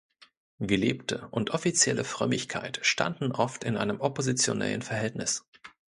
Gelebte und offizielle Frömmigkeit standen oft in einem oppositionellen Verhältnis.